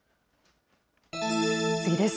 次です。